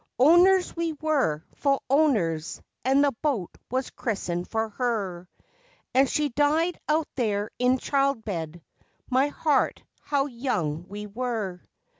Owners we were, full owners, and the boat was christened for her, And she died out there in childbed. My heart, how young we were!